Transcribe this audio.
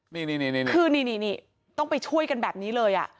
นี่คือนี่ต้องไปช่วยกันแบบนี้เลย